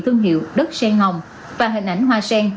thương hiệu đất sen hồng và hình ảnh hoa sen